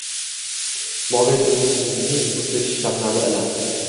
Moviy tunning muzdek shabnami ila